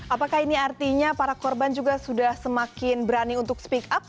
apakah ini artinya para korban juga sudah semakin berani untuk speak up